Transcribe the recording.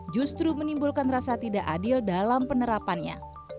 justru menimbulkan rasa tidak adil dalam penerapannya